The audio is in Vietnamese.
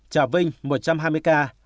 trà vinh một trăm hai mươi ca